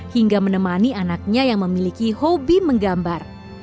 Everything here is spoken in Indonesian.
hingga menemani anaknya yang memiliki hobi menggambar